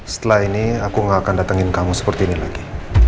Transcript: setelah ini aku gak akan datengin kamu seperti ini lagi